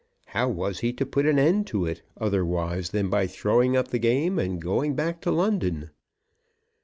How was he to put an end to it, otherwise than by throwing up the game, and going back to London?